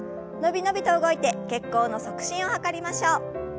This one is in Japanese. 伸び伸びと動いて血行の促進を図りましょう。